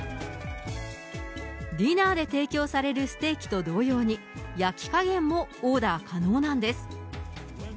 ディナーで提供されるステーキと同様に、焼きかげんもオーダー可能なんです。